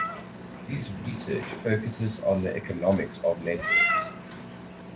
His research focuses on the economics of networks.